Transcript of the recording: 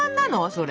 それ。